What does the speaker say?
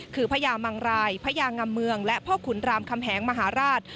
คือพญามังรายพญางำเมืองและพ่อขุนรามคำแหงมหาราช